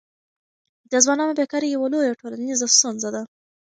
د ځوانانو بېکاري یوه لویه ټولنیزه ستونزه ده.